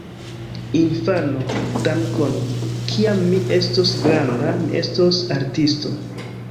Infano: "Dankon! Kiam mi estos granda, mi estos artisto!"